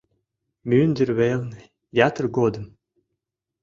Мӱндыр велне ятыр годым